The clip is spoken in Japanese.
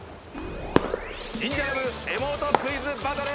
ニンジャラ部エモートクイズバトル！